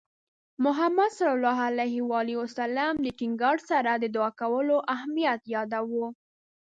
محمد صلى الله عليه وسلم د ټینګار سره د دُعا کولو اهمیت یاداوه.